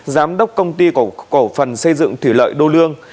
giám đốc công ty cổ phần xây dựng thủy lợi đô lương